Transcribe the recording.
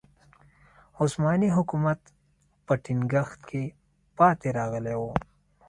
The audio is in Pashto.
عثماني حکومت په ټینګښت کې پاتې راغلی و.